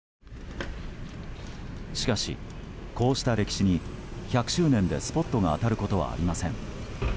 しかしこうした歴史に１００周年でスポットが当たることはありません。